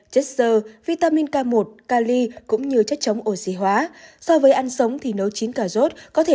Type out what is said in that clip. chất sơ vitamin k một cali cũng như chất chống oxy hóa so với ăn sống thì nấu chín cà rốt có thể